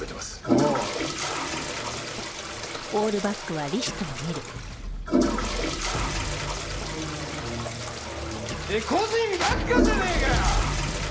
おお。って個人ばっかじゃねえかよ！